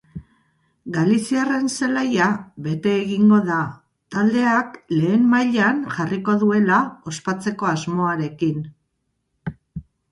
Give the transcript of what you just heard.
Galiziarren zelaia bete egingo da, taldeak lehen mailan jarriko duela ospatzeko asmoarekin.